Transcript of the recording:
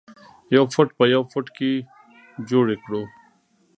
یو فټ په یو فټ کې جوړې کړو.